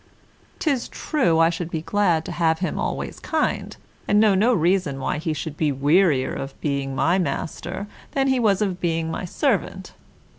'Tis true I should be glad to have him always kind, and know no reason why he should be wearier of being my master, than he was of being my servant.